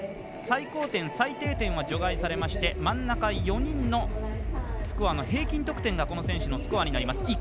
最高点、最低点は除外されまして真ん中４人の平均得点がこの選手の得点になります。